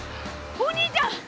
お兄ちゃん！